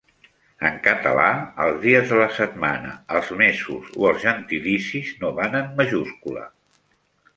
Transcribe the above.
En català els dies de la setmana, els mesos o els gentilicis no van en majúscula.